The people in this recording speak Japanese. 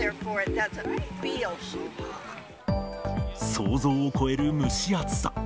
想像を超える蒸し暑さ。